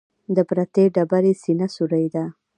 د پرتې ډبرې سینه سورۍ ده.